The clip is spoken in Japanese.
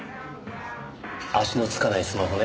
足のつかないスマホね。